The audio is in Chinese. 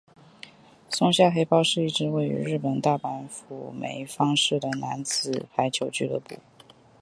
松下黑豹是一支位于日本大阪府枚方市的男子排球俱乐部。